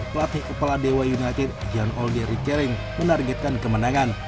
pelatih kepala dewa united jan olgeri kering menargetkan kemenangan